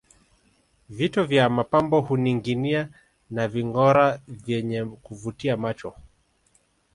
Vito vya mapambo huninginia na vingora vyenye kuvutia macho